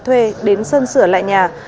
thuê đến sân sửa lại nhà